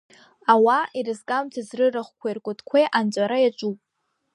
Ауаа ирызкамцаз рырахәқәеи ркәытқәеи анҵәара иаҿуп.